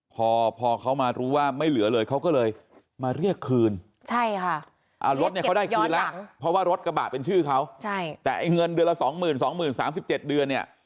พอพอเขามารู้ว่าไม่เหลือเลยเขาก็เลยมาเรียกคืนใช่ค่ะอ่ารถเนี้ยเขาได้คืนแล้วเพราะว่ารถกระบะเป็นชื่อเขาใช่แต่ไอ้เงินเดือนละสองหมื่นสองหมื่นสามสิบเจ็ดเดือนเนี้ย